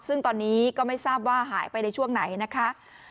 ซึ่งตอนนี้ก็ไม่ทราบว่าหายไปในช่วงไหนนะคะ